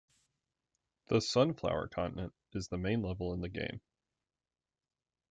The Sunflower Continent is the main level in the game.